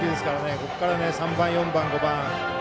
ここから３番、４番、５番。